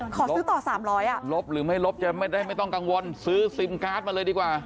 ขอซื้อต่อ๓๐๐อ่ะลบหรือไม่ลบจะไม่ได้ไม่ต้องกังวลซื้อซิมการ์ดมาเลยดีกว่า